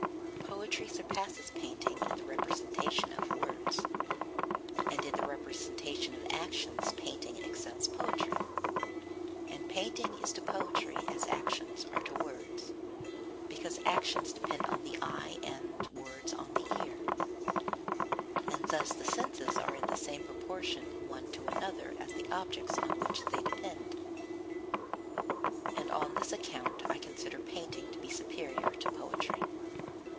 Poetry surpasses painting in the representation of words, and in the representation of actions painting excels poetry; and painting is to poetry as actions are to words, because actions depend on the eye and words on the ear; and thus the senses are in the same proportion one to another as the objects on which they depend; and on this account I consider painting to be superior to poetry.